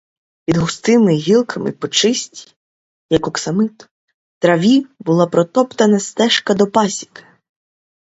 Під густими гілками по чистій, як оксамит, траві була протоптана стежка до пасіки.